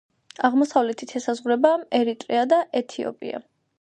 აღმოსავლეთით ესაზღვრება ერიტრეა და ეთიოპია.